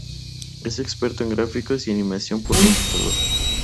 Es experto en gráficos y animación por computadora.